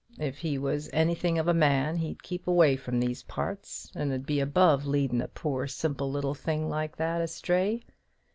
If he was anything of a man, he'd keep away from these parts, and 'ud be above leadin' a poor simple little thing like that astray.